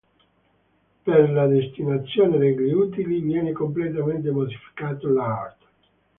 Per la destinazione degli utili viene completamente modificato l'art.